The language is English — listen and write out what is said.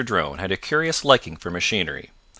Drone had a curious liking for machinery.